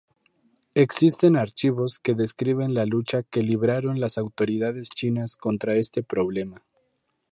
Existen archivos que describen la lucha que libraron las autoridades chinas contra este problema.